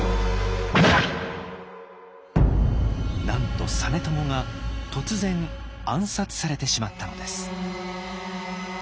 なんと実朝が突然暗殺されてしまったのです。